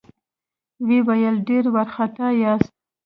ويې ويل: ډېر وارخطا ياست؟